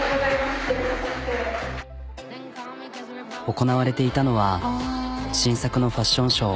行なわれていたのは新作のファッションショー。